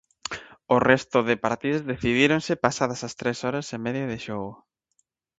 O resto de partidas decidíronse pasadas as tres horas e media de xogo.